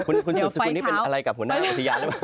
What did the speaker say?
คุณสุปสกุลนี่เป็นอะไรกับหัวหน้าอุทยาน